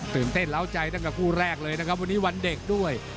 ตื่นเต้นเล้าใจตั้งแต่คู่แรกเลยนะครับวันนี้วันเด็กด้วย